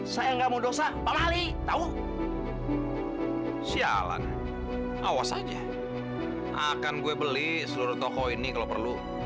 saya nggak mau dosa pak wali tahu sialan awas aja akan gue beli seluruh toko ini kalau perlu